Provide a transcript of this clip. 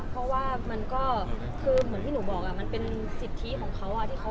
เพราะว่าเหมือนที่ที่ฉันบอกมันเป็นสิทธิของเขา